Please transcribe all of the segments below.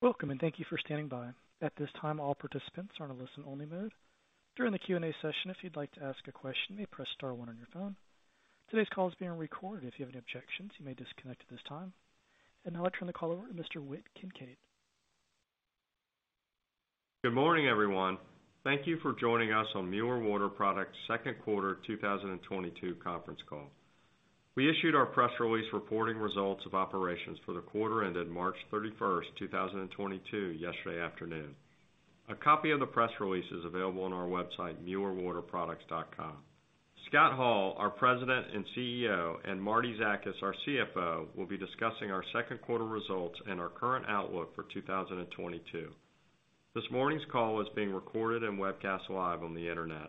Welcome, and thank you for standing by. At this time, all participants are in a listen-only mode. During the Q&A session, if you'd like to ask a question, you may press star one on your phone. Today's call is being recorded. If you have any objections, you may disconnect at this time. Now I turn the call over to Mr. Whit Kincaid. Good morning, everyone. Thank you for joining us on Mueller Water Products' second quarter 2022 conference call. We issued our press release reporting results of operations for the quarter ended March 31, 2022 yesterday afternoon. A copy of the press release is available on our website, muellerwaterproducts.com. Scott Hall, our President and CEO, and Martie Zakas, our CFO, will be discussing our second quarter results and our current outlook for 2022. This morning's call is being recorded and webcast live on the Internet.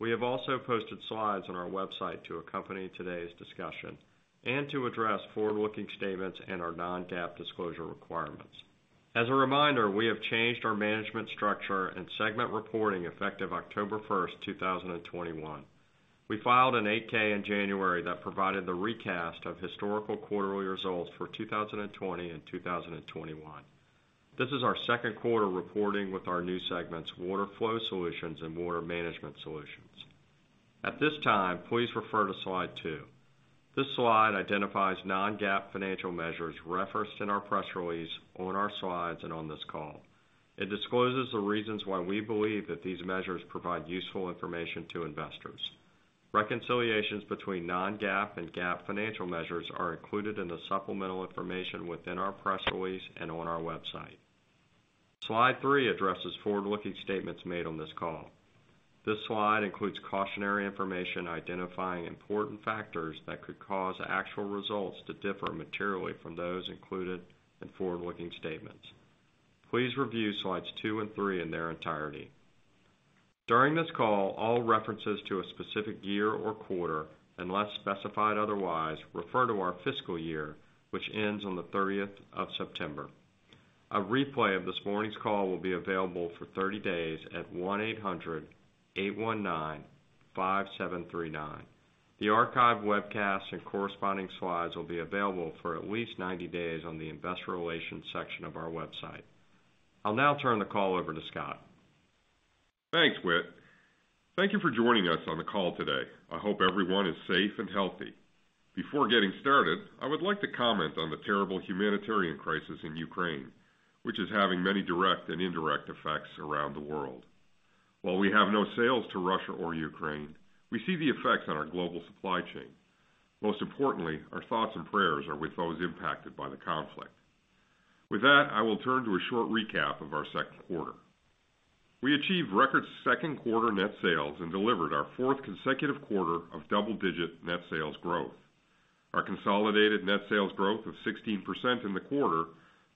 We have also posted slides on our website to accompany today's discussion and to address forward-looking statements and our non-GAAP disclosure requirements. As a reminder, we have changed our management structure and segment reporting effective October 1, 2021. We filed an 8-K in January that provided the recast of historical quarterly results for 2020 and 2021. This is our second quarter reporting with our new segments, Water Flow Solutions and Water Management Solutions. At this time, please refer to slide two. This slide identifies non-GAAP financial measures referenced in our press release, on our slides, and on this call. It discloses the reasons why we believe that these measures provide useful information to investors. Reconciliations between non-GAAP and GAAP financial measures are included in the supplemental information within our press release and on our website. Slide three addresses forward-looking statements made on this call. This slide includes cautionary information identifying important factors that could cause actual results to differ materially from those included in forward-looking statements. Please review slides two and three in their entirety. During this call, all references to a specific year or quarter, unless specified otherwise, refer to our fiscal year, which ends on the thirtieth of September. A replay of this morning's call will be available for 30 days at 1-800-819-5739. The archived webcast and corresponding slides will be available for at least 90 days on the investor relations section of our website. I'll now turn the call over to Scott. Thanks, Whit. Thank you for joining us on the call today. I hope everyone is safe and healthy. Before getting started, I would like to comment on the terrible humanitarian crisis in Ukraine, which is having many direct and indirect effects around the world. While we have no sales to Russia or Ukraine, we see the effects on our global supply chain. Most importantly, our thoughts and prayers are with those impacted by the conflict. With that, I will turn to a short recap of our second quarter. We achieved record second quarter net sales and delivered our fourth consecutive quarter of double-digit net sales growth. Our consolidated net sales growth of 16% in the quarter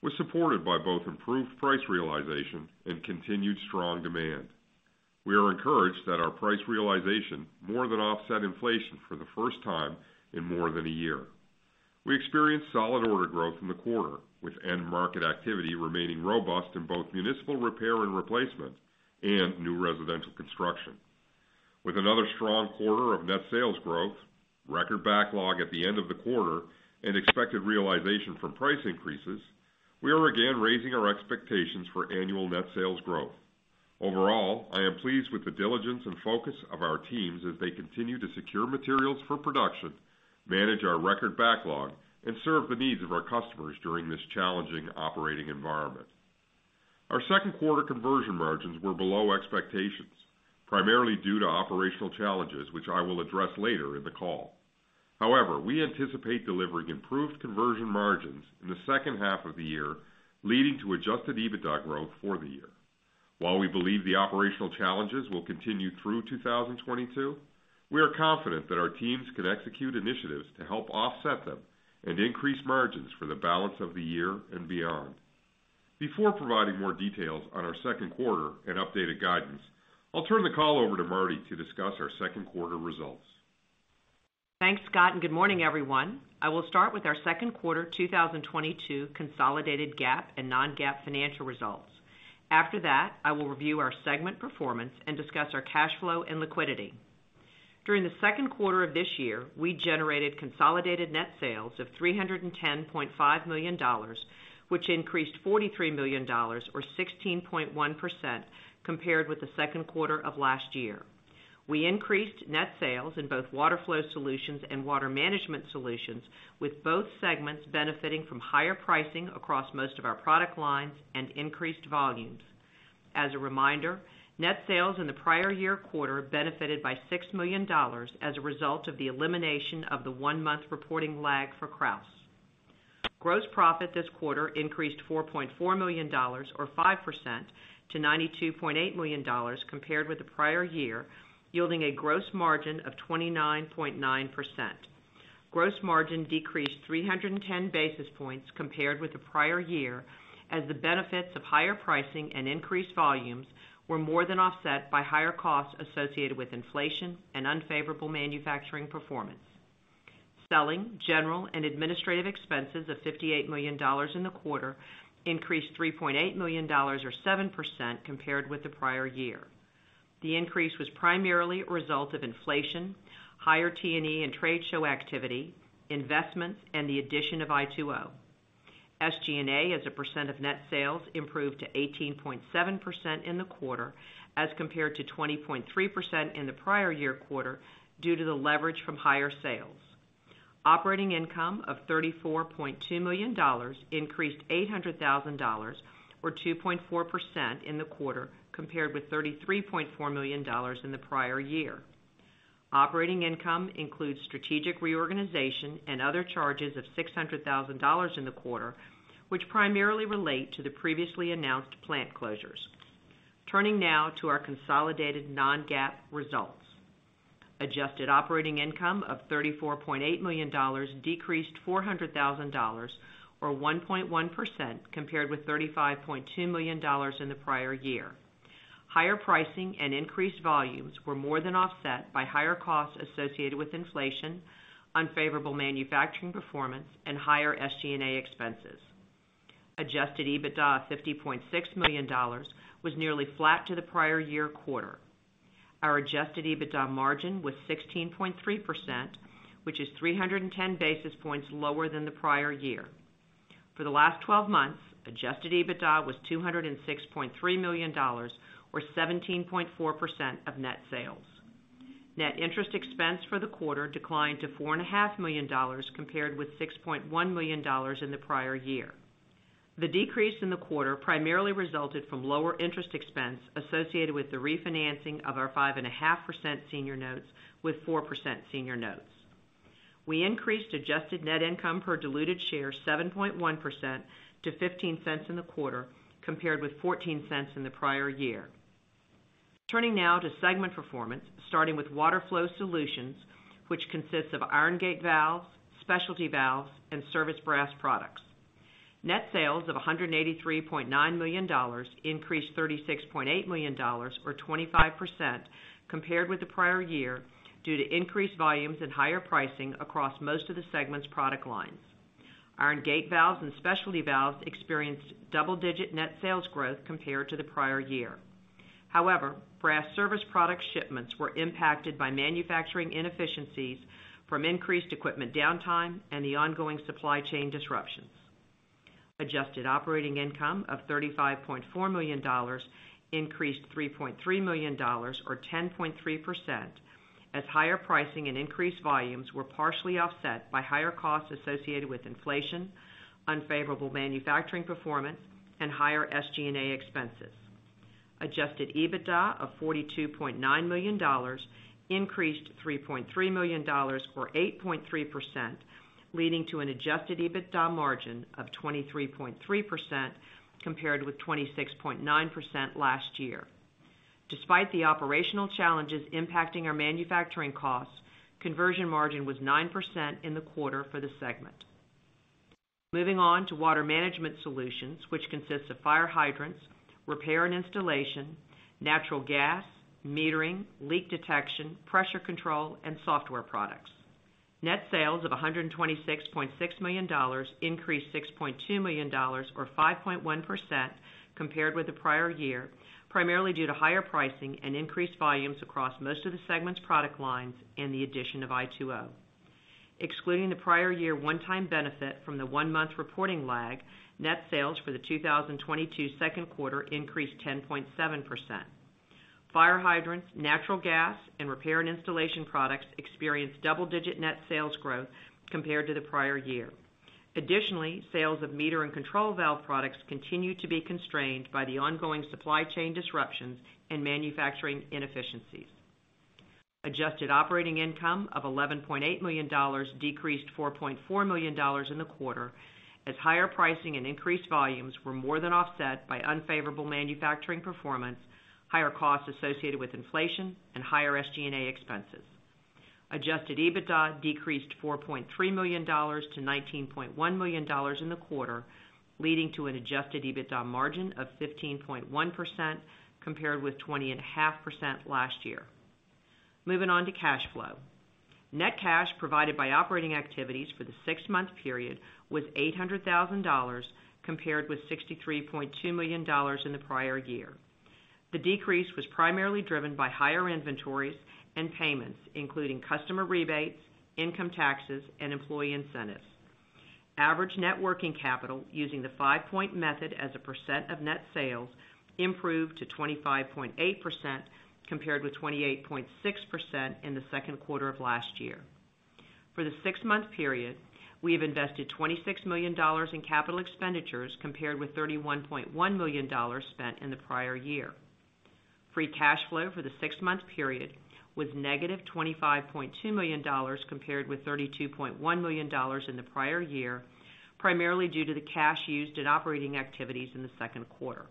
was supported by both improved price realization and continued strong demand. We are encouraged that our price realization more than offset inflation for the first time in more than a year. We experienced solid order growth in the quarter, with end market activity remaining robust in both municipal repair and replacement and new residential construction. With another strong quarter of net sales growth, record backlog at the end of the quarter, and expected realization from price increases, we are again raising our expectations for annual net sales growth. Overall, I am pleased with the diligence and focus of our teams as they continue to secure materials for production, manage our record backlog, and serve the needs of our customers during this challenging operating environment. Our second quarter conversion margins were below expectations, primarily due to operational challenges, which I will address later in the call. However, we anticipate delivering improved conversion margins in the second half of the year, leading to Adjusted EBITDA growth for the year. While we believe the operational challenges will continue through 2022, we are confident that our teams can execute initiatives to help offset them and increase margins for the balance of the year and beyond. Before providing more details on our second quarter and updated guidance, I'll turn the call over to Martie to discuss our second quarter results. Thanks, Scott, and good morning, everyone. I will start with our second quarter 2022 consolidated GAAP and non-GAAP financial results. After that, I will review our segment performance and discuss our cash flow and liquidity. During the second quarter of this year, we generated consolidated net sales of $310.5 million, which increased $43 million or 16.1% compared with the second quarter of last year. We increased net sales in both Water Flow Solutions and Water Management Solutions, with both segments benefiting from higher pricing across most of our product lines and increased volumes. As a reminder, net sales in the prior year quarter benefited by $6 million as a result of the elimination of the one-month reporting lag for Krausz. Gross profit this quarter increased $4.4 million or 5% to $92.8 million compared with the prior year, yielding a gross margin of 29.9%. Gross margin decreased 310 basis points compared with the prior year, as the benefits of higher pricing and increased volumes were more than offset by higher costs associated with inflation and unfavorable manufacturing performance. Selling, general, and administrative expenses of $58 million in the quarter increased $3.8 million or 7% compared with the prior year. The increase was primarily a result of inflation, higher T&E and trade show activity, investments, the addition of i2O. SG&A as a percent of net sales improved to 18.7% in the quarter as compared to 20.3% in the prior year quarter due to the leverage from higher sales. Operating income of $34.2 million increased $800,000 or 2.4% in the quarter, compared with $33.4 million in the prior year. Operating income includes strategic reorganization and other charges of $600,000 in the quarter, which primarily relate to the previously announced plant closures. Turning now to our consolidated non-GAAP results. Adjusted operating income of $34.8 million decreased $400,000, or 1.1% compared with $35.2 million in the prior year. Higher pricing and increased volumes were more than offset by higher costs associated with inflation, unfavorable manufacturing performance and higher SG&A expenses. Adjusted EBITDA of $50.6 million was nearly flat to the prior year quarter. Our Adjusted EBITDA margin was 16.3%, which is 310 basis points lower than the prior year. For the last 12 months, Adjusted EBITDA was $206.3 million, or 17.4% of net sales. Net interest expense for the quarter declined to $4.5 million, compared with $6.1 million in the prior year. The decrease in the quarter primarily resulted from lower interest expense associated with the refinancing of our 5.5% Senior Notes with 4% Senior Notes. We increased adjusted net income per diluted share 7.1% to $0.15 in the quarter, compared with $0.14 in the prior year. Turning now to segment performance, starting with Water Flow Solutions, which consists of iron gate valves, specialty valves, and service brass products. Net sales of $183.9 million increased $36.8 million, or 25% compared with the prior year, due to increased volumes and higher pricing across most of the segment's product lines. Iron gate valves and specialty valves experienced double-digit net sales growth compared to the prior year. However, brass service product shipments were impacted by manufacturing inefficiencies from increased equipment downtime and the ongoing supply chain disruptions. Adjusted operating income of $35.4 million increased $3.3 million or 10.3%, as higher pricing and increased volumes were partially offset by higher costs associated with inflation, unfavorable manufacturing performance and higher SG&A expenses. Adjusted EBITDA of $42.9 million increased $3.3 million or 8.3%, leading to an Adjusted EBITDA margin of 23.3% compared with 26.9% last year. Despite the operational challenges impacting our manufacturing costs, conversion margin was 9% in the quarter for the segment. Moving on to Water Management Solutions, which consists of fire hydrants, repair and installation, natural gas, metering, leak detection, pressure control and software products. Net sales of $126.6 million increased $6.2 million, or 5.1% compared with the prior year, primarily due to higher pricing and increased volumes across most of the segment's product lines and the addition of i2O. Excluding the prior year one-time benefit from the one-month reporting lag, net sales for the 2022 second quarter increased 10.7%. Fire hydrants, natural gas and repair and installation products experienced double-digit net sales growth compared to the prior year. Additionally, sales of meter and control valve products continued to be constrained by the ongoing supply chain disruptions and manufacturing inefficiencies. Adjusted operating income of $11.8 million decreased $4.4 million in the quarter as higher pricing and increased volumes were more than offset by unfavorable manufacturing performance, higher costs associated with inflation and higher SG&A expenses. Adjusted EBITDA decreased $4.3 million to $19.1 million in the quarter, leading to an Adjusted EBITDA margin of 15.1% compared with 20.5% last year. Moving on to cash flow. Net cash provided by operating activities for the six-month period was $800,000, compared with $63.2 million in the prior year. The decrease was primarily driven by higher inventories and payments, including customer rebates, income taxes and employee incentives. Average net working capital, using the 5 point method as a percent of net sales, improved to 25.8%, compared with 28.6% in the second quarter of last year. For the six-month period, we have invested $26 million in capital expenditures, compared with $31.1 million spent in the prior year. Free cash flow for the six-month period was -$25.2 million, compared with $32.1 million in the prior year, primarily due to the cash used in operating activities in the second quarter.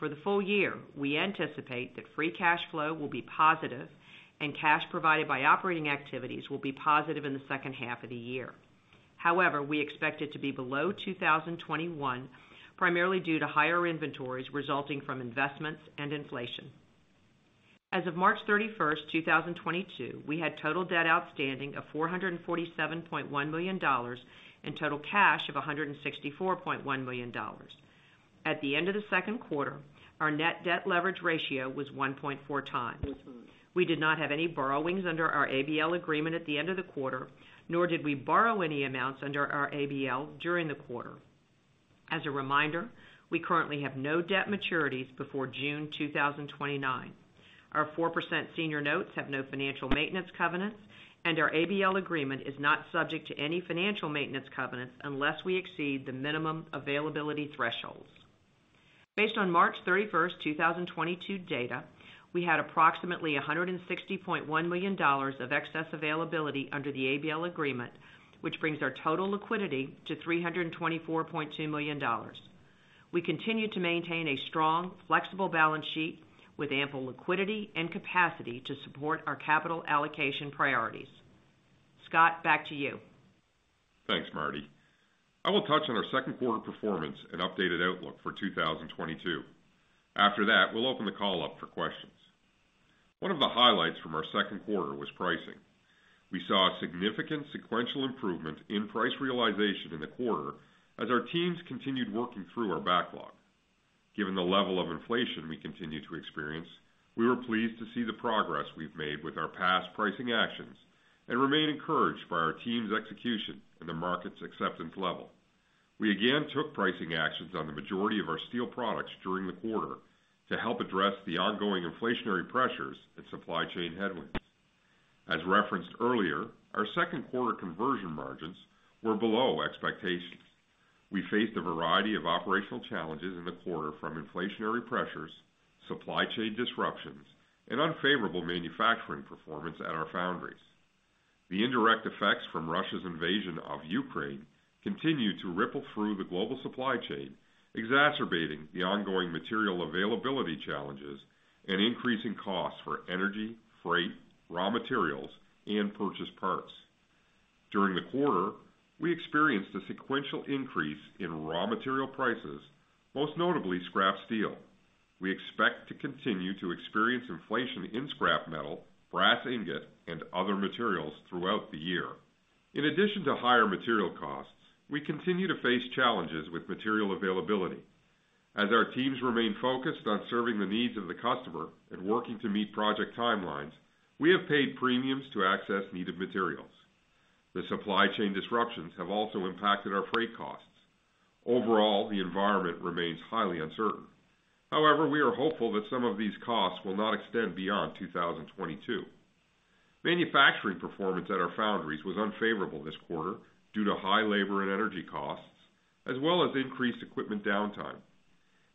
For the full year, we anticipate that free cash flow will be positive and cash provided by operating activities will be positive in the second half of the year. However, we expect it to be below 2021, primarily due to higher inventories resulting from investments and inflation. As of March 31, 2022, we had total debt outstanding of $447.1 million and total cash of $164.1 million. At the end of the second quarter, our net debt leverage ratio was 1.4x. We did not have any borrowings under our ABL Agreement at the end of the quarter, nor did we borrow any amounts under our ABL during the quarter. As a reminder, we currently have no debt maturities before June 2029. Our 4% Senior Notes have no financial maintenance covenants, and our ABL Agreement is not subject to any financial maintenance covenants unless we exceed the minimum availability thresholds. Based on March 31, 2022 data, we had approximately $160.1 million of excess availability under the ABL Agreement, which brings our total liquidity to $324.2 million. We continue to maintain a strong, flexible balance sheet with ample liquidity and capacity to support our capital allocation priorities. Scott, back to you. Thanks, Martie. I will touch on our second quarter performance and updated outlook for 2022. After that, we'll open the call up for questions. One of the highlights from our second quarter was pricing. We saw a significant sequential improvement in price realization in the quarter as our teams continued working through our backlog. Given the level of inflation we continue to experience, we were pleased to see the progress we've made with our past pricing actions and remain encouraged by our team's execution and the market's acceptance level. We again took pricing actions on the majority of our steel products during the quarter to help address the ongoing inflationary pressures and supply chain headwinds. As referenced earlier, our second quarter conversion margins were below expectations. We faced a variety of operational challenges in the quarter from inflationary pressures, supply chain disruptions, and unfavorable manufacturing performance at our foundries. The indirect effects from Russia's invasion of Ukraine continue to ripple through the global supply chain, exacerbating the ongoing material availability challenges and increasing costs for energy, freight, raw materials, and purchased parts. During the quarter, we experienced a sequential increase in raw material prices, most notably scrap steel. We expect to continue to experience inflation in scrap metal, brass ingot, and other materials throughout the year. In addition to higher material costs, we continue to face challenges with material availability. As our teams remain focused on serving the needs of the customer and working to meet project timelines, we have paid premiums to access needed materials. The supply chain disruptions have also impacted our freight costs. Overall, the environment remains highly uncertain. However, we are hopeful that some of these costs will not extend beyond 2022. Manufacturing performance at our foundries was unfavorable this quarter due to high labor and energy costs, as well as increased equipment downtime.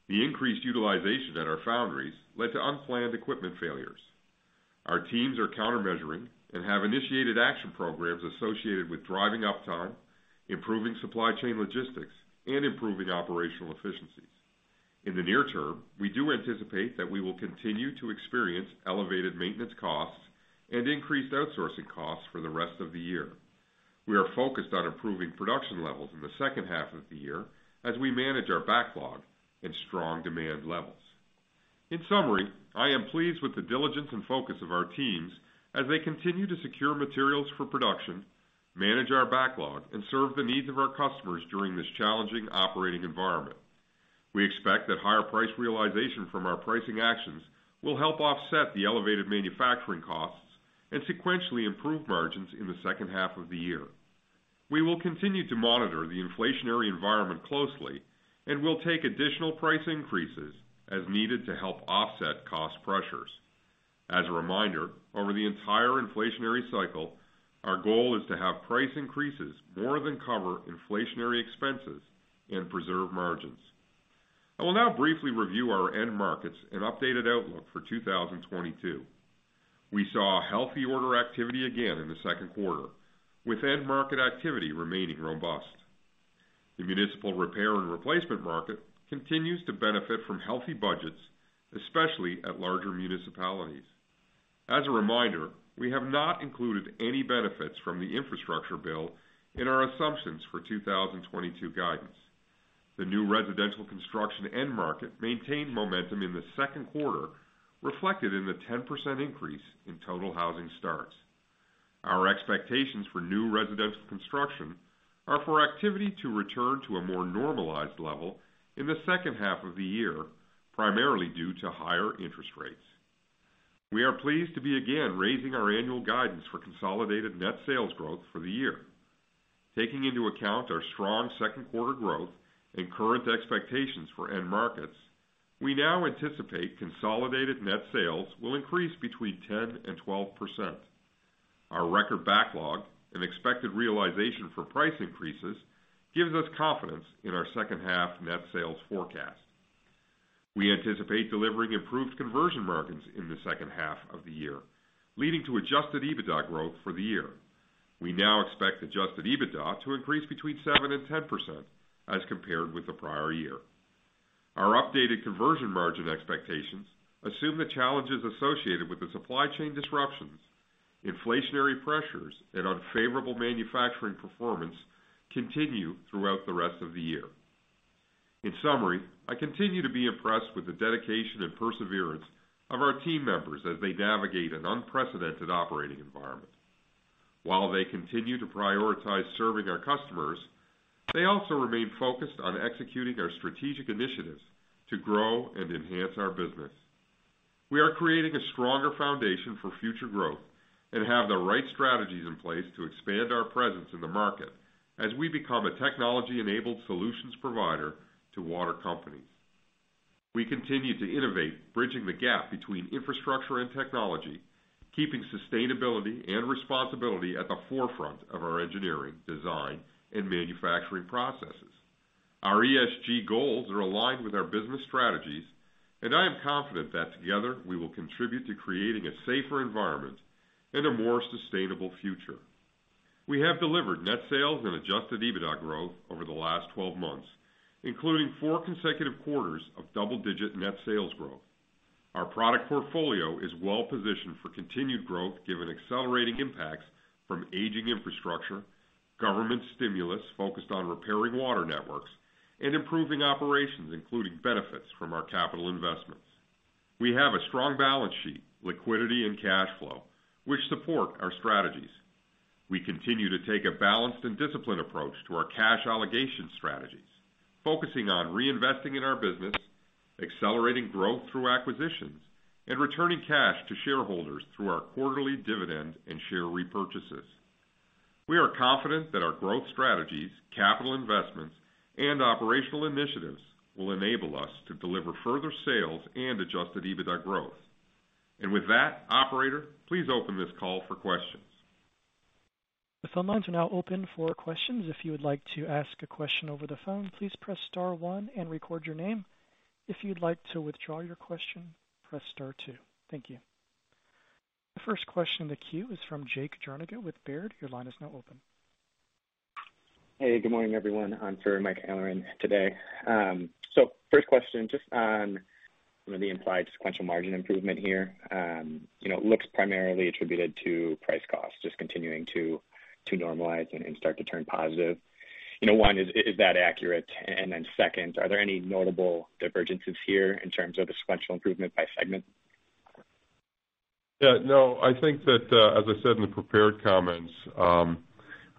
The increased utilization at our foundries led to unplanned equipment failures. Our teams are countermeasuring and have initiated action programs associated with driving uptime, improving supply chain logistics, and improving operational efficiencies. In the near term, we do anticipate that we will continue to experience elevated maintenance costs and increased outsourcing costs for the rest of the year. We are focused on improving production levels in the second half of the year as we manage our backlog and strong demand levels. In summary, I am pleased with the diligence and focus of our teams as they continue to secure materials for production, manage our backlog, and serve the needs of our customers during this challenging operating environment. We expect that higher price realization from our pricing actions will help offset the elevated manufacturing costs and sequentially improve margins in the second half of the year. We will continue to monitor the inflationary environment closely and will take additional price increases as needed to help offset cost pressures. As a reminder, over the entire inflationary cycle, our goal is to have price increases more than cover inflationary expenses and preserve margins. I will now briefly review our end markets and updated outlook for 2022. We saw healthy order activity again in the second quarter, with end market activity remaining robust. The municipal repair and replacement market continues to benefit from healthy budgets, especially at larger municipalities. As a reminder, we have not included any benefits from the infrastructure bill in our assumptions for 2022 guidance. The new residential construction end market maintained momentum in the second quarter, reflected in the 10% increase in total housing starts. Our expectations for new residential construction are for activity to return to a more normalized level in the second half of the year, primarily due to higher interest rates. We are pleased to be again raising our annual guidance for consolidated net sales growth for the year. Taking into account our strong second quarter growth and current expectations for end markets, we now anticipate consolidated net sales will increase between 10% and 12%. Our record backlog and expected realization for price increases gives us confidence in our second half net sales forecast. We anticipate delivering improved conversion margins in the second half of the year, leading to Adjusted EBITDA growth for the year. We now expect Adjusted EBITDA to increase between 7% and 10% as compared with the prior year. Our updated conversion margin expectations assume the challenges associated with the supply chain disruptions, inflationary pressures, and unfavorable manufacturing performance continue throughout the rest of the year. In summary, I continue to be impressed with the dedication and perseverance of our team members as they navigate an unprecedented operating environment. While they continue to prioritize serving our customers, they also remain focused on executing our strategic initiatives to grow and enhance our business. We are creating a stronger foundation for future growth and have the right strategies in place to expand our presence in the market as we become a technology-enabled solutions provider to water companies. We continue to innovate, bridging the gap between infrastructure and technology, keeping sustainability and responsibility at the forefront of our engineering, design, and manufacturing processes. Our ESG goals are aligned with our business strategies, and I am confident that together, we will contribute to creating a safer environment and a more sustainable future. We have delivered net sales and Adjusted EBITDA growth over the last 12 months, including four consecutive quarters of double-digit net sales growth. Our product portfolio is well-positioned for continued growth, given accelerating impacts from aging infrastructure, government stimulus focused on repairing water networks and improving operations, including benefits from our capital investments. We have a strong balance sheet, liquidity, and cash flow which support our strategies. We continue to take a balanced and disciplined approach to our cash allocation strategies, focusing on reinvesting in our business, accelerating growth through acquisitions, and returning cash to shareholders through our quarterly dividend and share repurchases. We are confident that our growth strategies, capital investments, and operational initiatives will enable us to deliver further sales and Adjusted EBITDA growth. With that, operator, please open this call for questions. The phone lines are now open for questions. If you would like to ask a question over the phone, please press star one and record your name. If you'd like to withdraw your question, press star two. Thank you. The first question in the queue is from Jake Jernigan with Baird. Your line is now open. Hey, good morning, everyone. I'm filling in for Mike Halloran today. First question, just on some of the implied sequential margin improvement here, you know, it looks primarily attributed to price cost just continuing to normalize and start to turn positive. You know, is that accurate? Then second, are there any notable divergences here in terms of the sequential improvement by segment? Yeah, no, I think that as I said in the prepared comments,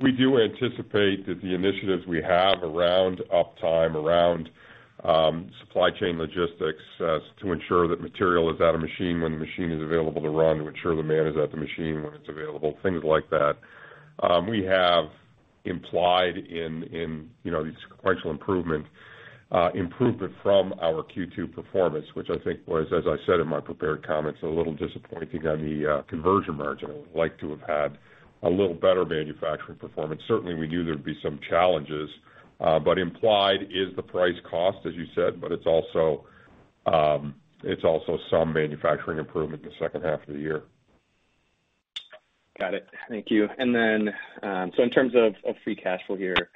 we do anticipate that the initiatives we have around uptime, around supply chain logistics to ensure that material is at a machine when the machine is available to run, to ensure the man is at the machine when it's available, things like that. We have implied in, you know, the sequential improvement from our Q2 performance, which I think was, as I said in my prepared comments, a little disappointing on the conversion margin. I would like to have had a little better manufacturing performance. Certainly, we knew there'd be some challenges, but implied is the price cost, as you said, but it's also some manufacturing improvement in the second half of the year. Got it. Thank you. In terms of free cash flow here,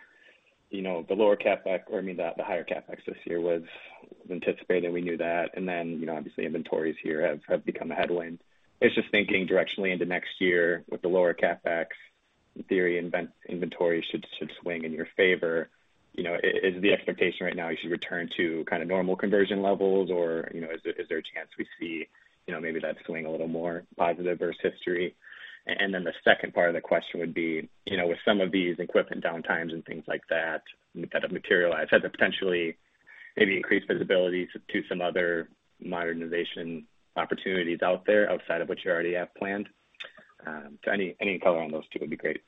you know, the higher CapEx this year was anticipated. We knew that. You know, obviously inventories here have become a headwind. It's just thinking directionally into next year with the lower CapEx. In theory, inventory should swing in your favor. You know, is the expectation right now you should return to kind of normal conversion levels or, you know, is there a chance we see, you know, maybe that swing a little more positive versus history? The second part of the question would be, you know, with some of these equipment downtimes and things like that that have materialized, has it potentially maybe increased visibility to some other modernization opportunities out there outside of what you already have planned? Any color on those two would be great.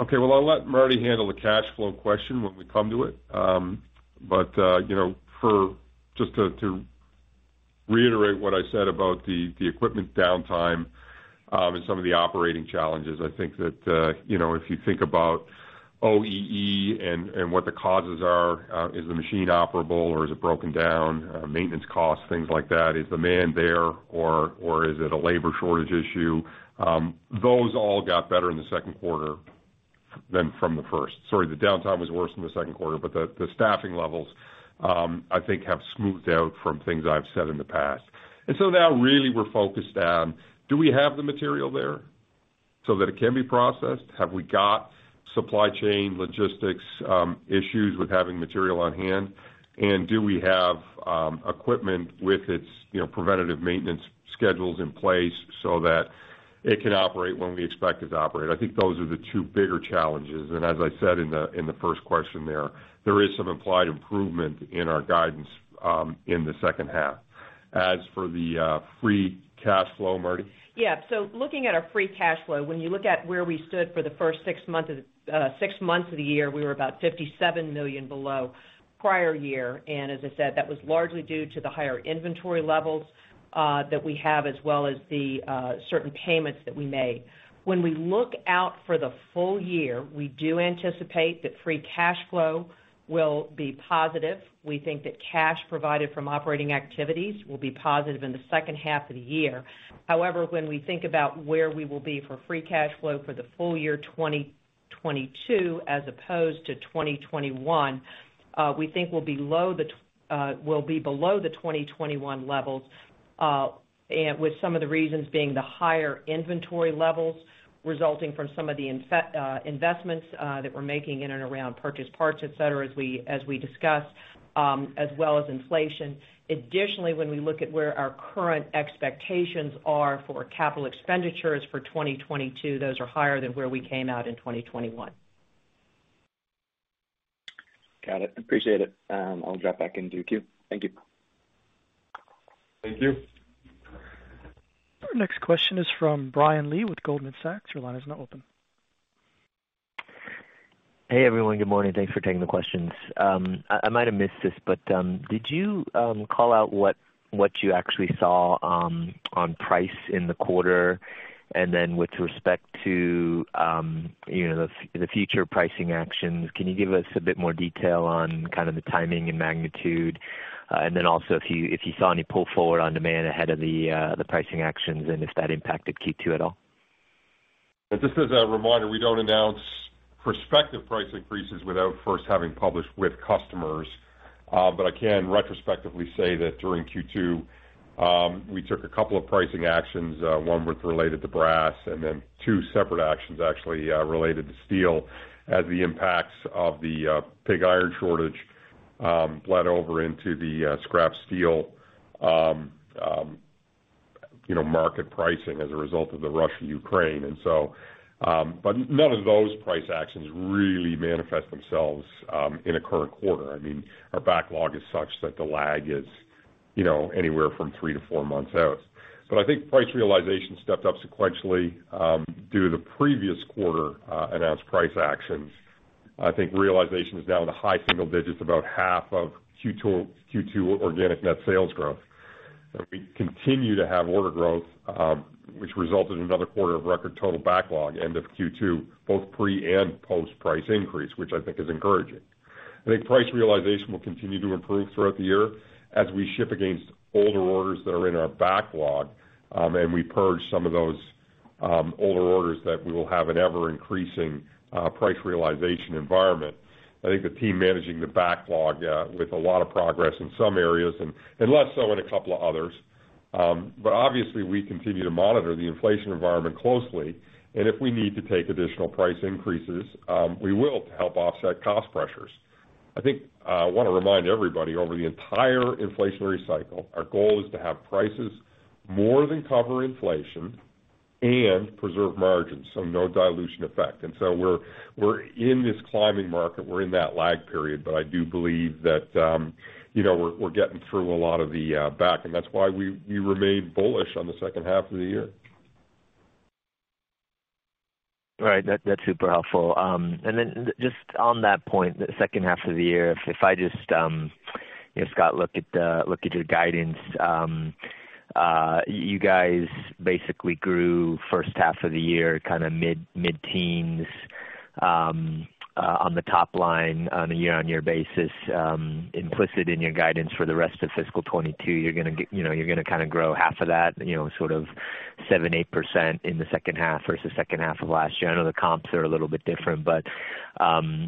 Okay, well, I'll let Martie handle the cash flow question when we come to it. You know, just to reiterate what I said about the equipment downtime and some of the operating challenges, I think that you know, if you think about OEE and what the causes are, is the machine operable, or is it broken down? Maintenance costs, things like that. Is the man there or is it a labor shortage issue? Those all got better in the second quarter than from the first. Sorry, the downtime was worse in the second quarter, but the staffing levels, I think have smoothed out from things I've said in the past. Now really we're focused on do we have the material there so that it can be processed? Have we got supply chain logistics issues with having material on hand? Do we have equipment with its, you know, preventative maintenance schedules in place so that it can operate when we expect it to operate? I think those are the two bigger challenges. As I said in the first question there is some implied improvement in our guidance in the second half. As for the free cash flow, Martie? Looking at our free cash flow, when you look at where we stood for the first six months of the year, we were about $57 million below prior year. As I said, that was largely due to the higher inventory levels that we have, as well as the certain payments that we made. When we look out for the full year, we do anticipate that free cash flow will be positive. We think that cash provided from operating activities will be positive in the second half of the year. However, when we think about where we will be for free cash flow for the full year 2022 as opposed to 2021, we think we'll be below the 2021 levels, and with some of the reasons being the higher inventory levels resulting from some of the investments that we're making in and around purchased parts, et cetera, as we discussed, as well as inflation. Additionally, when we look at where our current expectations are for capital expenditures for 2022, those are higher than where we came out in 2021. Got it. Appreciate it. I'll drop back into queue. Thank you. Thank you. Our next question is from Brian Lee with Goldman Sachs. Your line is now open. Hey, everyone. Good morning. Thanks for taking the questions. I might have missed this, but did you call out what you actually saw on price in the quarter? With respect to you know the future pricing actions, can you give us a bit more detail on kind of the timing and magnitude? If you saw any pull forward on demand ahead of the pricing actions and if that impacted Q2 at all. Just as a reminder, we don't announce prospective price increases without first having published with customers. I can retrospectively say that during Q2, we took a couple of pricing actions, one related to brass and then two separate actions actually, related to steel as the impacts of the pig iron shortage bled over into the scrap steel, you know, market pricing as a result of the Russia-Ukraine. None of those price actions really manifest themselves in a current quarter. I mean, our backlog is such that the lag is, you know, anywhere from three to four months out. I think price realization stepped up sequentially due to the previous quarter announced price actions. I think realization is down to high single digits, about half of Q2 organic net sales growth. We continue to have order growth, which resulted in another quarter of record total backlog end of Q2, both pre and post price increase, which I think is encouraging. I think price realization will continue to improve throughout the year as we ship against older orders that are in our backlog, and we purge some of those older orders that we will have an ever-increasing price realization environment. I think the team managing the backlog with a lot of progress in some areas and less so in a couple of others. Obviously we continue to monitor the inflation environment closely. If we need to take additional price increases, we will to help offset cost pressures. I think I wanna remind everybody over the entire inflationary cycle, our goal is to have prices more than cover inflation and preserve margins, so no dilution effect. We're in this climbing market, we're in that lag period. I do believe that, you know, we're getting through a lot of the back, and that's why we remain bullish on the second half of the year. Right. That's super helpful. Then just on that point, the second half of the year, if I just, Scott, look at your guidance, you guys basically grew first half of the year kinda mid-teens on the top line on a year-on-year basis, implicit in your guidance for the rest of fiscal 2022. You're gonna, you know, you're gonna kinda grow half of that, you know, sort of 78% in the second half versus second half of last year. I know the comps are a little bit different, but,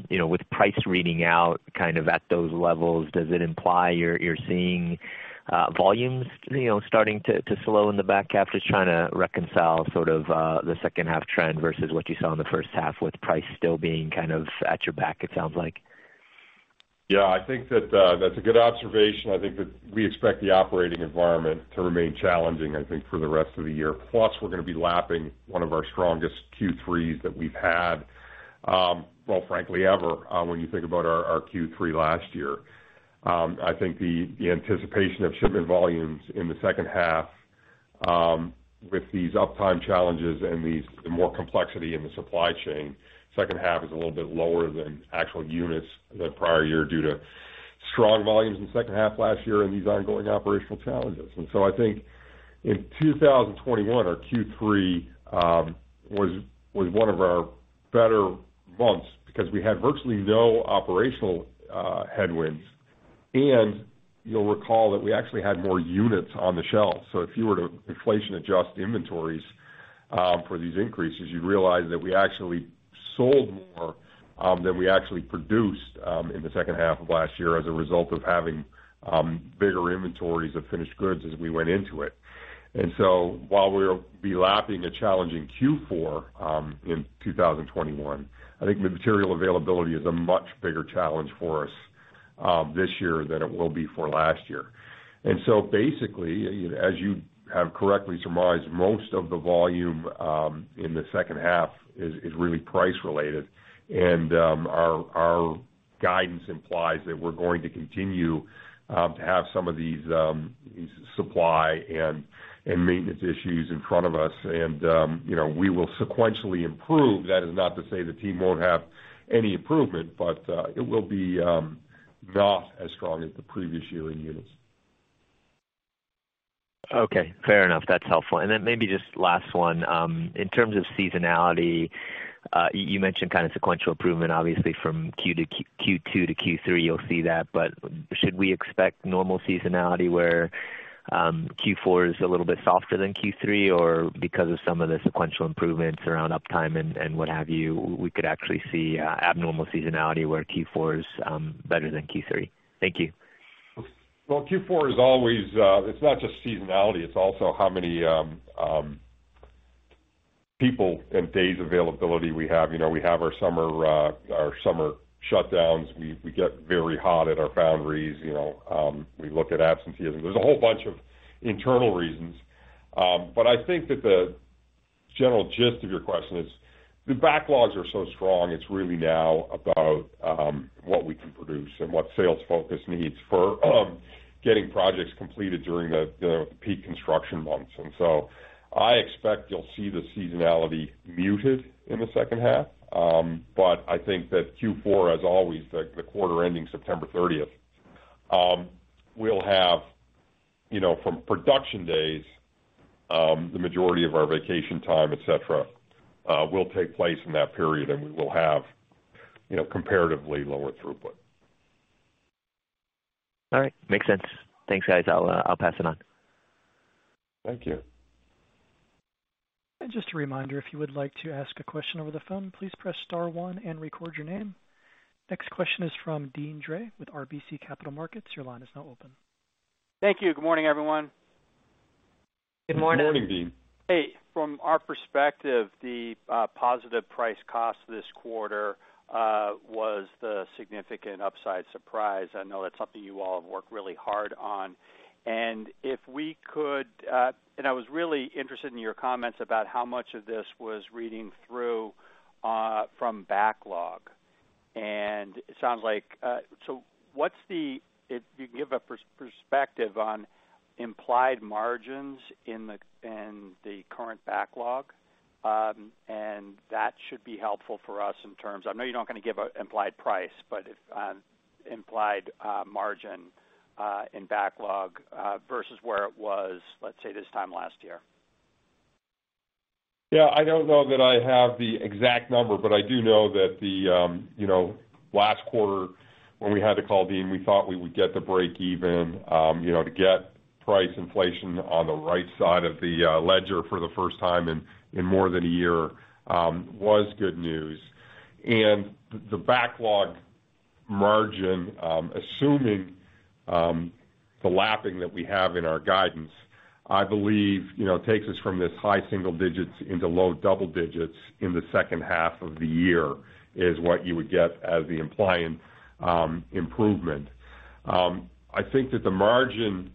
you know, with price reading out kind of at those levels, does it imply you're seeing volumes, you know, starting to slow in the back half? Just trying to reconcile sort of, the second half trend versus what you saw in the first half with price still being kind of at your back, it sounds like. Yeah. I think that that's a good observation. I think that we expect the operating environment to remain challenging, I think, for the rest of the year. Plus, we're gonna be lapping one of our strongest Q3s that we've had, well, frankly, ever, when you think about our Q3 last year. I think the anticipation of shipment volumes in the second half, with these uptime challenges and these more complexity in the supply chain, second half is a little bit lower than actual units the prior year due to strong volumes in the second half last year and these ongoing operational challenges. I think in 2021, our Q3 was one of our better months because we had virtually no operational headwinds. You'll recall that we actually had more units on the shelf. If you were to inflation adjust inventories for these increases, you'd realize that we actually sold more than we actually produced in the second half of last year as a result of having bigger inventories of finished goods as we went into it. While we'll be lapping a challenging Q4 in 2021, I think the material availability is a much bigger challenge for us this year than it will be for last year. Basically, as you have correctly surmised, most of the volume in the second half is really price-related. Our guidance implies that we're going to continue to have some of these supply and maintenance issues in front of us. You know, we will sequentially improve. That is not to say the team won't have any improvement, but it will be not as strong as the previous year in units. Okay, fair enough. That's helpful. Then maybe just last one. In terms of seasonality, you mentioned kinda sequential improvement, obviously, from Q2-Q3, you'll see that. Should we expect normal seasonality where Q4 is a little bit softer than Q3, or because of some of the sequential improvements around uptime and what have you, we could actually see abnormal seasonality where Q4 is better than Q3? Thank you. Well, Q4 is always, it's not just seasonality, it's also how many people and days availability we have. You know, we have our summer shutdowns. We get very hot at our foundries, you know. We look at absenteeism. There's a whole bunch of internal reasons. I think that the general gist of your question is the backlogs are so strong, it's really now about what we can produce and what sales force needs for getting projects completed during the peak construction months. I expect you'll see the seasonality muted in the second half. I think that Q4, as always, the quarter ending September 30th, we'll have, you know, from production days, the majority of our vacation time, et cetera, will take place in that period, and we will have, you know, comparatively lower throughput. All right. Makes sense. Thanks, guys. I'll pass it on. Thank you. Just a reminder, if you would like to ask a question over the phone, please press star one and record your name. Next question is from Deane Dray with RBC Capital Markets. Your line is now open. Thank you. Good morning, everyone. Good morning. Good morning, Deane. Hey. From our perspective, the positive price-cost this quarter was the significant upside surprise. I know that's something you all have worked really hard on. I was really interested in your comments about how much of this was reading through from backlog. If you can give a perspective on implied margins in the current backlog, and that should be helpful for us in terms. I know you're not gonna give an implied price, but if implied margin in backlog versus where it was, let's say, this time last year. Yeah. I don't know that I have the exact number, but I do know that the you know, last quarter when we had the call, Dean, we thought we would get to break even. You know, to get price inflation on the right side of the ledger for the first time in more than a year was good news. The backlog margin, assuming the lapping that we have in our guidance, I believe, you know, takes us from this high single digits into low double digits in the second half of the year, is what you would get as the implying improvement. I think that the margin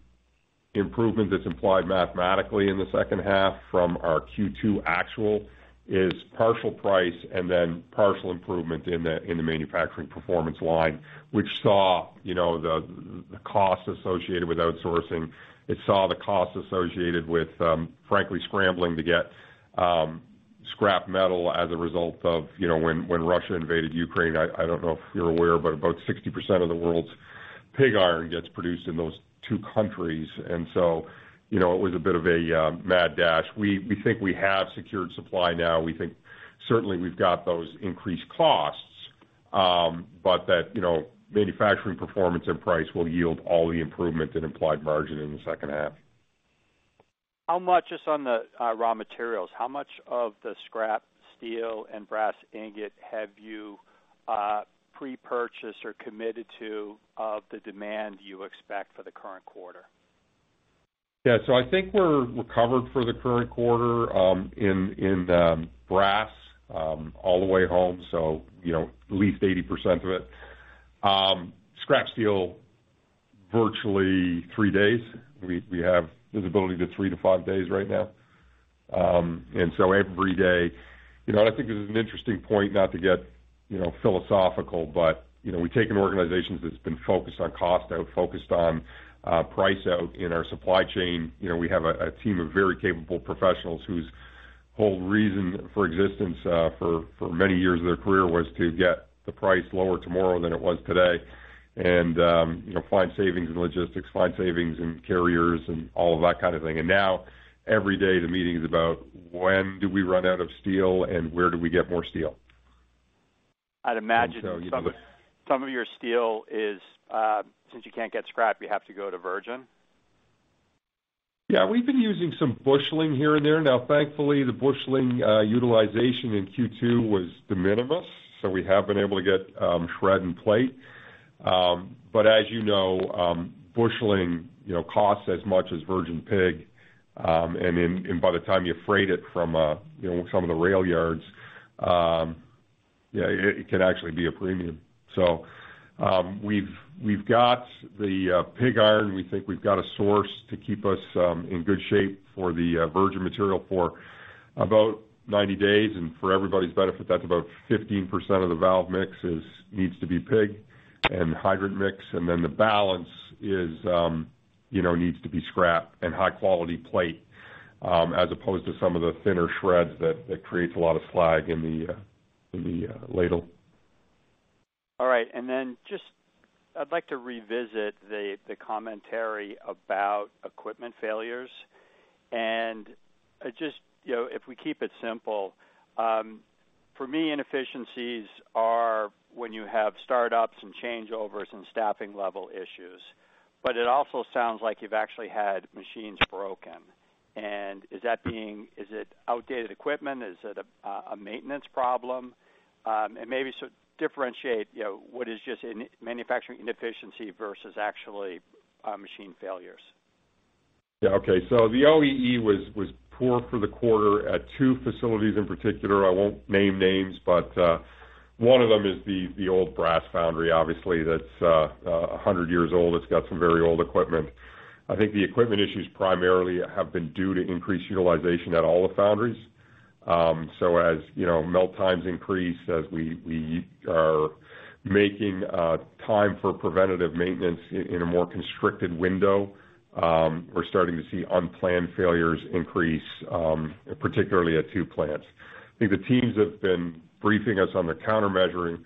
improvement that's implied mathematically in the second half from our Q2 actual is partial price and then partial improvement in the manufacturing performance line, which saw, you know, the cost associated with outsourcing. It saw the cost associated with, frankly, scrambling to get scrap metal as a result of, you know, when Russia invaded Ukraine. I don't know if you're aware, but about 60% of the world's pig iron gets produced in those two countries. You know, it was a bit of a mad dash. We think we have secured supply now. We think certainly we've got those increased costs, but that, you know, manufacturing performance and price will yield all the improvement in implied margin in the second half. Just on the raw materials, how much of the scrap steel and brass ingot have you pre-purchased or committed to of the demand you expect for the current quarter? Yeah. I think we're recovered for the current quarter in brass all the way home. You know, at least 80% of it. Scrap steel, virtually three days. We have visibility to three to five days right now. Every day. You know, I think this is an interesting point, not to get philosophical, but we've taken organizations that's been focused on cost out, focused on price out in our supply chain. You know, we have a team of very capable professionals whose whole reason for existence for many years of their career was to get the price lower tomorrow than it was today. You know, find savings in logistics, find savings in carriers, and all of that kind of thing. Now every day the meeting is about when do we run out of steel and where do we get more steel? I'd imagine. You know- Some of your steel is, since you can't get scrap, you have to go to virgin? Yeah. We've been using some busheling here and there. Now, thankfully, the busheling utilization in Q2 was de minimis, so we have been able to get shred and plate. But as you know, busheling costs as much as virgin pig. By the time you freight it from some of the rail yards, yeah, it can actually be a premium. We've got the pig iron. We think we've got a source to keep us in good shape for the virgin material for about 90 days. For everybody's benefit, that's about 15% of the valve mix is needs to be pig and hydrant mix. The balance is, you know, needs to be scrap and high quality plate, as opposed to some of the thinner shreds that creates a lot of slag in the ladle. All right. Then just I'd like to revisit the commentary about equipment failures. Just, you know, if we keep it simple, for me, inefficiencies are when you have startups and changeovers and staffing level issues. It also sounds like you've actually had machines broken. Is it outdated equipment? Is it a maintenance problem? Maybe sort of differentiate, you know, what is just a manufacturing inefficiency versus actually machine failures. Yeah. Okay. The OEE was poor for the quarter at two facilities in particular. I won't name names, but one of them is the old brass foundry, obviously. That's 100 years old. It's got some very old equipment. I think the equipment issues primarily have been due to increased utilization at all the foundries. As you know, melt times increase, as we are making time for preventative maintenance in a more constricted window, we're starting to see unplanned failures increase, particularly at two plants. I think the teams have been briefing us on the countermeasures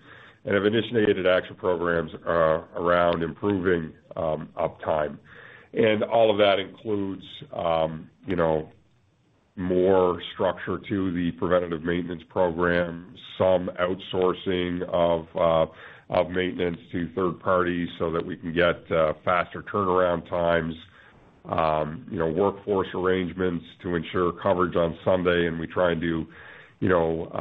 and have initiated action programs around improving uptime. All of that includes, you know, more structure to the preventative maintenance program, some outsourcing of maintenance to third parties so that we can get faster turnaround times, you know, workforce arrangements to ensure coverage on Sunday, and we try and do, you know,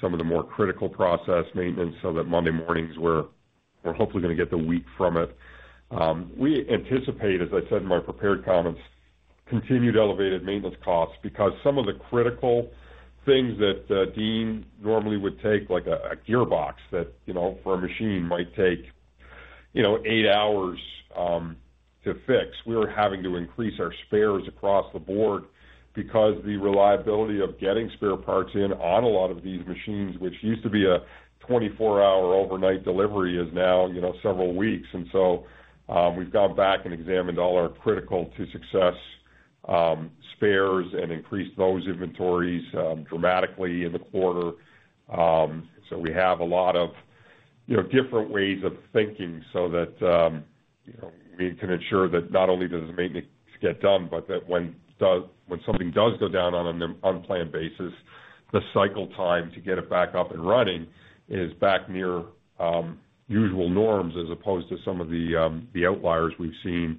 some of the more critical process maintenance so that Monday mornings we're hopefully gonna get the week from it. We anticipate, as I said in my prepared comments, continued elevated maintenance costs because some of the critical things that Dean normally would take, like a gearbox that, you know, for a machine might take, you know, eight hours to fix, we're having to increase our spares across the board because the reliability of getting spare parts in on a lot of these machines, which used to be a 24-hour overnight delivery, is now, you know, several weeks. We've gone back and examined all our critical to success spares and increased those inventories dramatically in the quarter. We have a lot of, you know, different ways of thinking so that we can ensure that not only does the maintenance get done, but that when something does go down on an unplanned basis, the cycle time to get it back up and running is back near usual norms as opposed to some of the outliers we've seen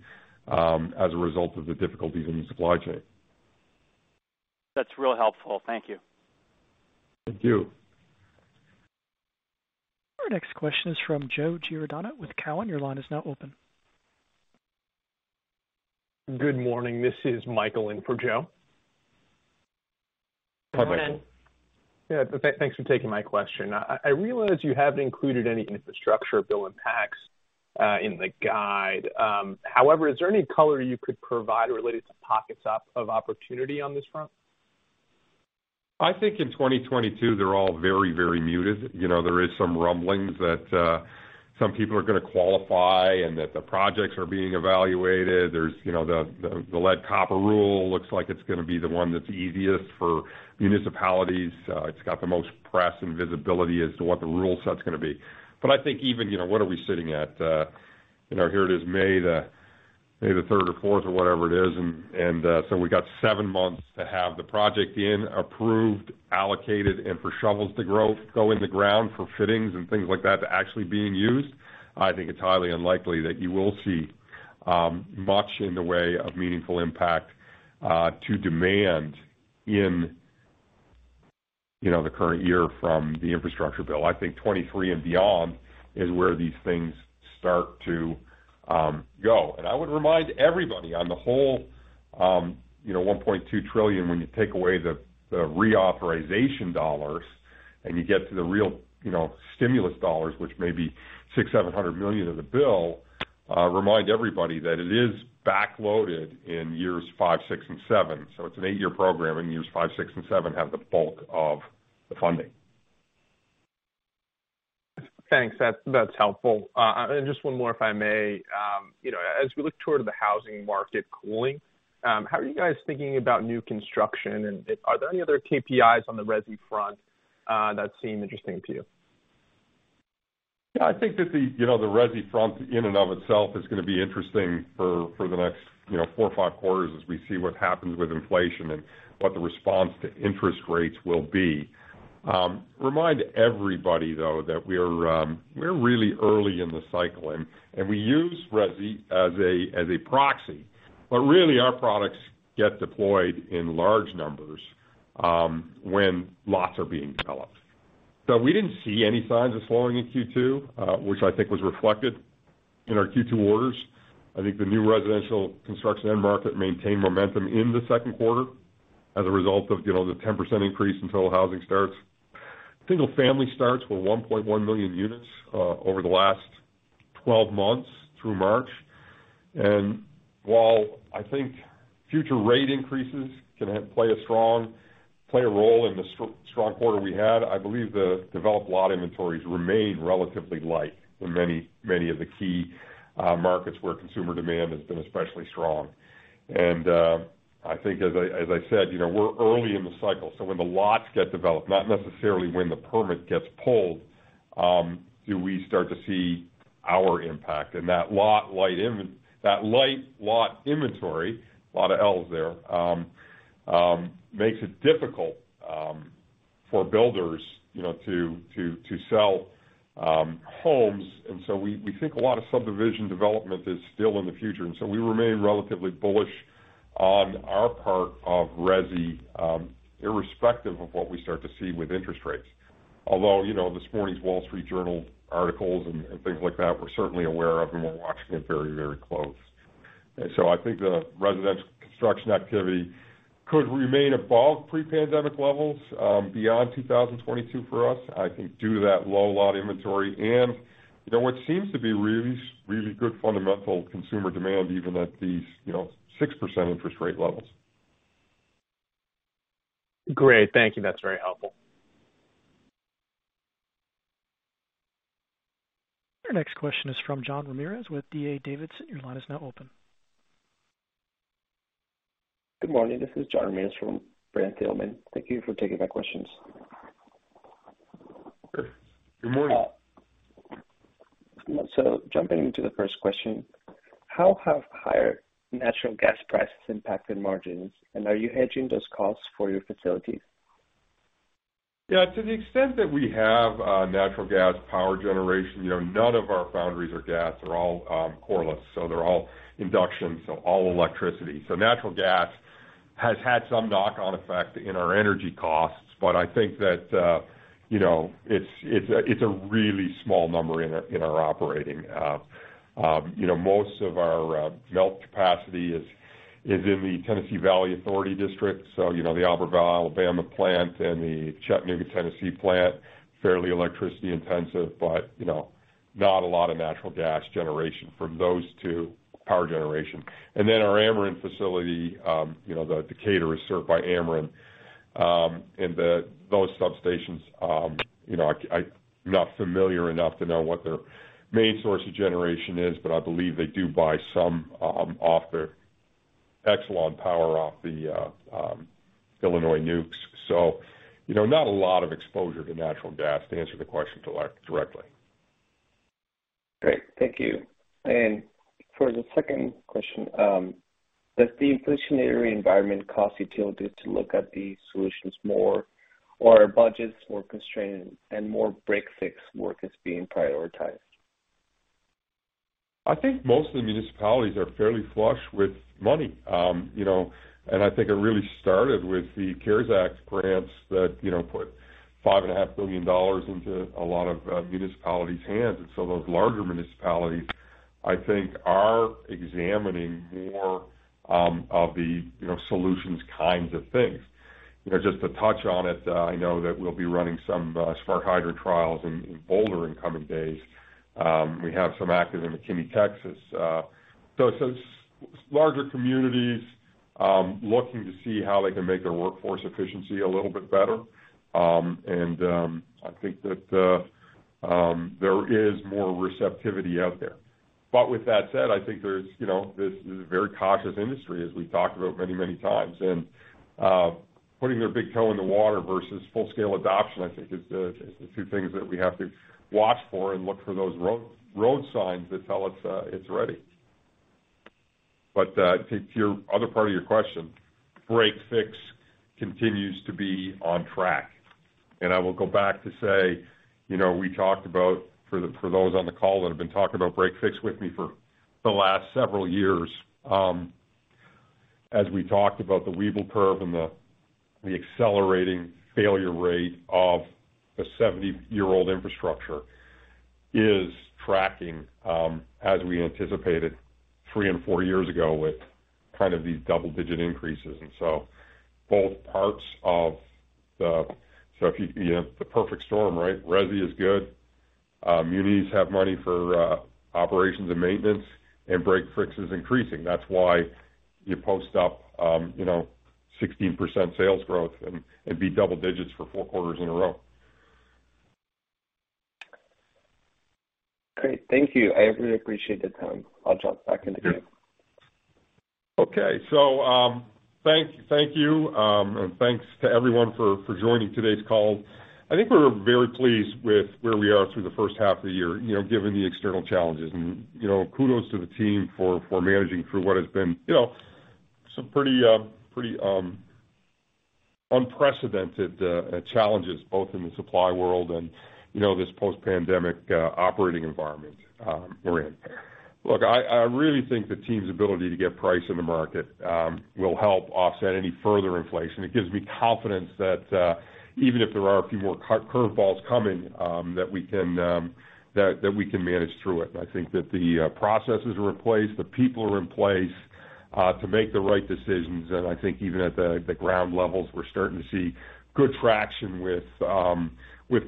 as a result of the difficulties in the supply chain. That's real helpful. Thank you. Thank you. Our next question is from Joe Giordano with Cowen. Your line is now open. Good morning. This is Michael in for Joe. Hi, Michael. Yeah, thanks for taking my question. I realize you haven't included any infrastructure bill impacts in the guide. However, is there any color you could provide related to pockets of opportunity on this front? I think in 2022 they're all very, very muted. You know, there is some rumblings that some people are gonna qualify and that the projects are being evaluated. There's you know the Lead and Copper Rule looks like it's gonna be the one that's easiest for municipalities. It's got the most press and visibility as to what the rule set's gonna be. I think even you know what are we sitting at? You know here it is May 3rd or 4th or whatever it is and so we got seven months to have the project in approved allocated and for shovels to go in the ground for fittings and things like that to actually being used. I think it's highly unlikely that you will see much in the way of meaningful impact to demand in, you know, the current year from the infrastructure bill. I think 2023 and beyond is where these things start to go. I would remind everybody on the whole, you know, $1.2 trillion, when you take away the reauthorization dollars and you get to the real, you know, stimulus dollars, which may be $600 million-$700 million of the bill, remind everybody that it is backloaded in years five, six and seven. It's an eight-year program, and years five, six and seven have the bulk of the funding. Thanks. That's helpful. Just one more, if I may. You know, as we look toward the housing market cooling, how are you guys thinking about new construction, and are there any other KPIs on the resi front that seem interesting to you? Yeah. I think that the, you know, the resi front in and of itself is gonna be interesting for the next, you know, four or five quarters as we see what happens with inflation and what the response to interest rates will be. Remind everybody, though, that we're really early in the cycle and we use resi as a proxy. Really our products get deployed in large numbers when lots are being developed. We didn't see any signs of slowing in Q2, which I think was reflected in our Q2 orders. I think the new residential construction end market maintained momentum in the second quarter as a result of, you know, the 10% increase in total housing starts. Single family starts were 1.1 million units over the last 12 months through March. While I think future rate increases can play a role in the strong quarter we had, I believe the developed lot inventories remain relatively light in many of the key markets where consumer demand has been especially strong. I think as I said, you know, we're early in the cycle, so when the lots get developed, not necessarily when the permit gets pulled, do we start to see our impact. That light lot inventory, a lot of Ls there, makes it difficult for builders, you know, to sell homes. We think a lot of subdivision development is still in the future, and we remain relatively bullish on our part of resi irrespective of what we start to see with interest rates. Although, you know, this morning's Wall Street Journal articles and things like that, we're certainly aware of and we're watching it very, very close. I think the residential construction activity could remain above pre-pandemic levels beyond 2022 for us, I think due to that low lot inventory and, you know, what seems to be really, really good fundamental consumer demand even at these, you know, 6% interest rate levels. Great. Thank you. That's very helpful. Your next question is from John Ramirez with D.A. Davidson. Your line is now open. Good morning. This is John Ramirez from Brent Thielman. Thank you for taking my questions. Sure. Good morning. Jumping into the first question: How have higher natural gas prices impacted margins, and are you hedging those costs for your facilities? Yeah, to the extent that we have natural gas power generation, you know, none of our foundries are gas. They're all coreless, so they're all induction, so all electricity. So natural gas has had some knock-on effect in our energy costs, but I think that, you know, it's a really small number in our operating. You know, most of our melt capacity is in the Tennessee Valley Authority District, so, you know, the Albertville, Alabama plant and the Chattanooga, Tennessee plant, fairly electricity intensive, but, you know, not a lot of natural gas generation from those two power generation. And then our Ameren facility, you know, the Decatur is served by Ameren. And the... Those substations, you know, I'm not familiar enough to know what their main source of generation is, but I believe they do buy some off the Exelon power off the Illinois nukes. You know, not a lot of exposure to natural gas to answer the question directly. Great. Thank you. For the second question, does the inflationary environment cause utilities to look at these solutions more, or are budgets more constrained and more break-fix work is being prioritized? I think most of the municipalities are fairly flush with money. You know, I think it really started with the CARES Act grants that, you know, put $5.5 billion into a lot of municipalities' hands. Those larger municipalities, I think, are examining more of the solutions kinds of things. You know, just to touch on it, I know that we'll be running some smart hydrant trials in Boulder in coming days. We have some active in McKinney, Texas. So those larger communities looking to see how they can make their workforce efficiency a little bit better. I think that there is more receptivity out there. With that said, I think there's, you know, this is a very cautious industry, as we've talked about many, many times. Putting their big toe in the water versus full-scale adoption, I think is the two things that we have to watch for and look for those road signs that tell us, it's ready. To your other part of your question, break-fix continues to be on track. I will go back to say, you know, we talked about for those on the call that have been talking about break-fix with me for the last several years, as we talked about the Weibull curve and the accelerating failure rate of a 70-year-old infrastructure is tracking, as we anticipated three and four years ago with kind of these double-digit increases. Both parts of the perfect storm, right? Resi is good. Munis have money for operations and maintenance, and break-fix is increasing. That's why you post up, you know, 16% sales growth and beat double digits for four quarters in a row. Great. Thank you. I really appreciate the time. I'll drop back into queue. Okay. Thank you. Thanks to everyone for joining today's call. I think we're very pleased with where we are through the first half of the year, you know, given the external challenges. You know, kudos to the team for managing through what has been, you know, some pretty unprecedented challenges both in the supply world and, you know, this post-pandemic operating environment we're in. Look, I really think the team's ability to get price in the market will help offset any further inflation. It gives me confidence that even if there are a few more curve balls coming, that we can manage through it. I think that the processes are in place, the people are in place to make the right decisions. I think even at the ground levels, we're starting to see good traction with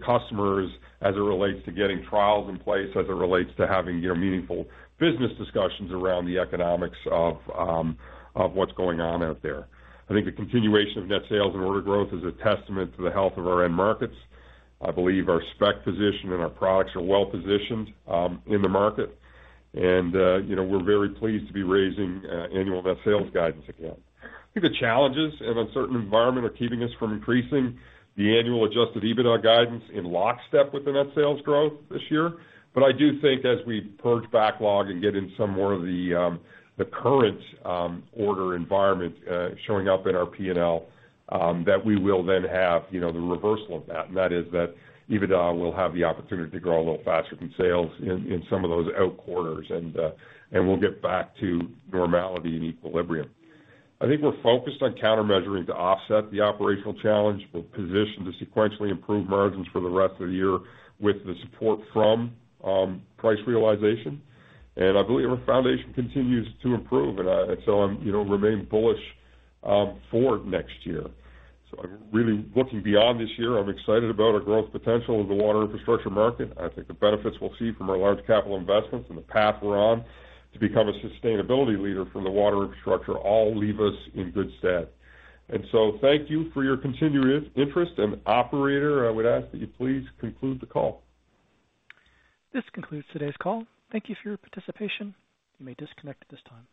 customers as it relates to getting trials in place, as it relates to having, you know, meaningful business discussions around the economics of what's going on out there. I think the continuation of net sales and order growth is a testament to the health of our end markets. I believe our spec position and our products are well positioned in the market. You know, we're very pleased to be raising annual net sales guidance again. I think the challenges in a certain environment are keeping us from increasing the annual Adjusted EBITDA guidance in lockstep with the net sales growth this year. I do think as we purge backlog and get in some more of the current order environment showing up in our P&L that we will then have, you know, the reversal of that, and that is that EBITDA will have the opportunity to grow a little faster than sales in some of those out quarters, and we'll get back to normality and equilibrium. I think we're focused on countermeasuring to offset the operational challenge. We're positioned to sequentially improve margins for the rest of the year with the support from price realization. I believe our foundation continues to improve, and so, you know, I remain bullish for next year. I'm really looking beyond this year. I'm excited about our growth potential in the water infrastructure market. I think the benefits we'll see from our large capital investments and the path we're on to become a sustainability leader from the water infrastructure all leave us in good stead. Thank you for your continued interest. Operator, I would ask that you please conclude the call. This concludes today's call. Thank you for your participation. You may disconnect at this time.